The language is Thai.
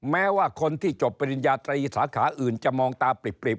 แม้ว่าคนที่จบปริญญาตรีสาขาอื่นจะมองตาปริบ